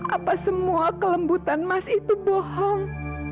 apa semua kelembutan emas itu bohong